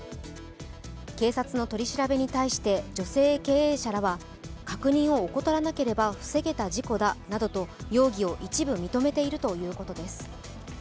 警察の取り調べに対して女性経営者らは、確認を怠らなければ防げた事故だなどと容疑を一部認めているということです。